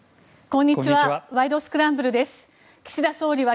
こんにちは。